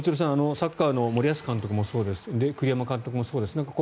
サッカーの森保監督もそうです栗山監督もそうです。